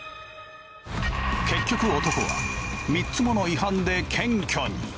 結局男は３つもの違反で検挙に。